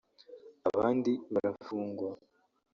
abandi barafungwa